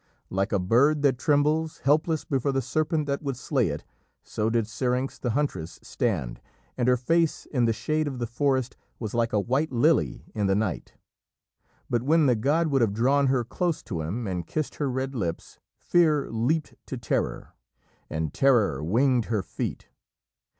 Like a bird that trembles, helpless, before the serpent that would slay it, so did Syrinx the huntress stand, and her face in the shade of the forest was like a white lily in the night. But when the god would have drawn her close to him and kissed her red lips, Fear leapt to Terror, and Terror winged her feet.